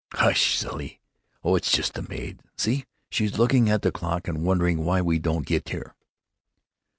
"Hush, silly.... Oh, it's just the maid. See, she's looking at the clock and wondering why we don't get here."